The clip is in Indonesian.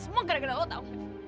semua gara gara lo tau